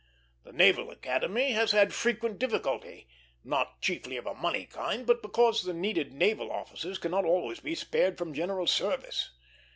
The Naval Academy has had frequent difficulty, not chiefly of a money kind, but because the needed naval officers cannot always be spared from general service.